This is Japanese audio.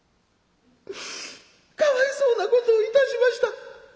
かわいそうなことをいたしました」。